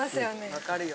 分かるよ。